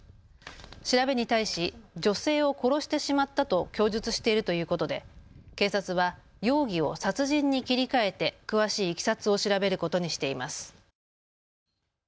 調べに対し女性を殺してしまったと供述しているということで警察は容疑を殺人に切り替えて詳しいいきさつを調べることにしています。